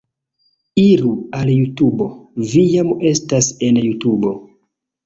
Iru al Jutubo... vi jam estas en Jutubo